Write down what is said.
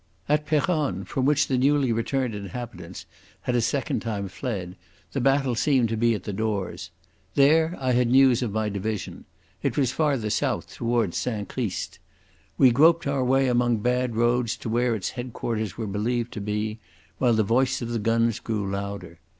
At Peronne, from which the newly returned inhabitants had a second time fled, the battle seemed to be at the doors. There I had news of my division. It was farther south towards St Christ. We groped our way among bad roads to where its headquarters were believed to be, while the voice of the guns grew louder.